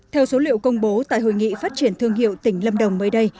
theo số liệu công bố tại hội nghị phát triển thương hiệu tỉnh lâm đồng mới đây